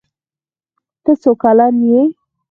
ته څو کلن یې؟